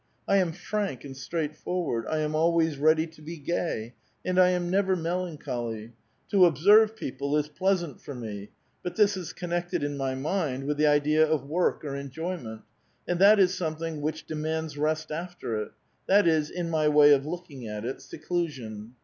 I am frank and straightforward; I am always ready to be gay, and I am never melanchol}'. To observe people is pleasant for me, but this is connected in my mind with the idea of work or enjoyment, and that is something which demaiids rest after it ; that is, — in my way of looking at it, — seclusion.